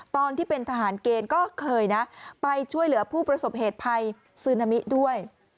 ตอนที่เป็นทหารเกณฑ์ก็เคยนะไปช่วยเหลือผู้ประสบเหตุภัยซึนามิด้วย